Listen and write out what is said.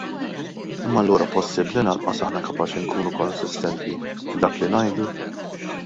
Imma allura possibbli lanqas aħna kapaċi nkunu konsistenti f'dak li ngħidu?